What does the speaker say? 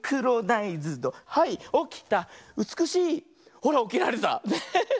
ほらおきられた。ね。